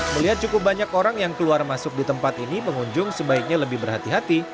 melihat cukup banyak orang yang keluar masuk di tempat ini pengunjung sebaiknya lebih berhati hati